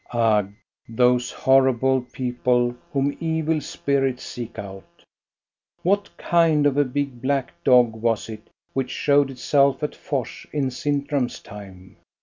Ugh, those horrible people, whom evil spirits seek out ! What kind of a big black dog was it which showed itself at Fors in Sintram 's time.?